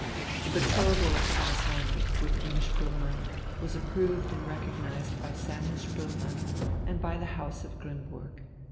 The betrothal of Klaus Heinrich with Imma Spoelmann was approved and recognized by Samuel Spoelmann and by the House of Grimmburg.